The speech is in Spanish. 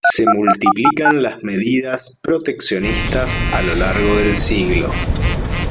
Se multiplican las medidas proteccionistas a lo largo del siglo.